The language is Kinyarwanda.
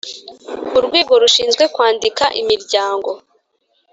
Urwego rushinzwe kwandika imiryango